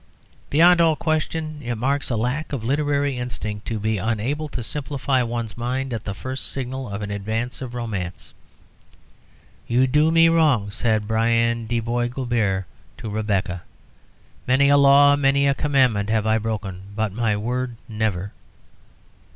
Beyond all question, it marks a lack of literary instinct to be unable to simplify one's mind at the first signal of the advance of romance. "You do me wrong," said Brian de Bois Guilbert to Rebecca. "Many a law, many a commandment have I broken, but my word, never."